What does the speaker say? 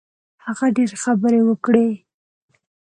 هغه ډېرې خبرې وکړې.